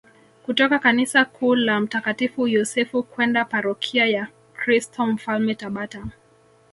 kutoka kanisa kuu la mtakatifu Yosefu kwenda parokia ya Kristo Mfalme Tabata